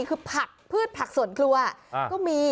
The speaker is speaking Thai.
คือผักพืชผักส่วนครัวก็มี